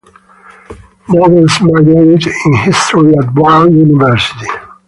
Nobles majored in history at Brown University.